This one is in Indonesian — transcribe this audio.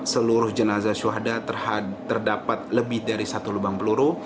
seluruh jenazah syuhada terdapat lebih dari satu lubang peluru